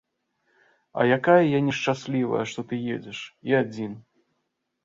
А якая я нешчаслівая, што ты едзеш, і адзін.